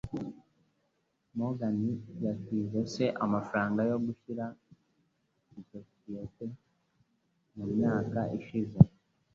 Morgan yatije se amafaranga yo gushinga isosiyete mu myaka ishize